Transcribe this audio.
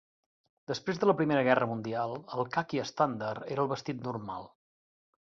Després de la Primera Guerra Mundial, el caqui estàndard era el vestit normal.